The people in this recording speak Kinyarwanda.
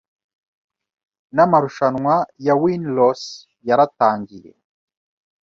n'amarushanwa ya WinLose yaratangiye